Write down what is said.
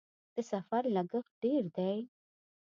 د سفر لګښت ډیر دی؟